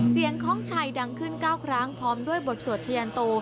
เสียงค้องชัยดังขึ้นเก้าครั้งพร้อมด้วยบทสวดชะยันโต